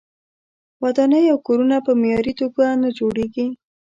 ودانۍ او کورونه په معیاري توګه نه جوړیږي.